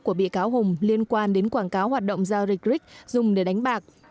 của bị cáo hùng liên quan đến quảng cáo hoạt động giao dịch brics dùng để đánh bạc